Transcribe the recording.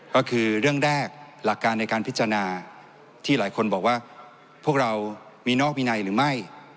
ก็คือเรื่องแรกหลักการในการพิจารณาที่หลายคนบอกว่าพวกเรามีนอกวินัยหรือไม่